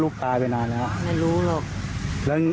ลูกป้าหายไปนานแล้ว